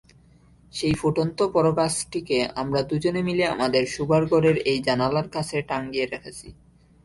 সেই ফুটন্ত পরগাছাটিকে আমরা দুজনে মিলে আমাদের শোবার ঘরের এই জানালার কাছে টাঙিয়ে রেখেছি।